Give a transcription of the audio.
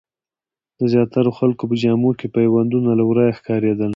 د زیاترو خلکو په جامو کې پیوندونه له ورايه ښکارېدل.